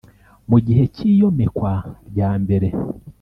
Mu gihe cy iyomekwa ryambere